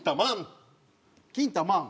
キンタマン。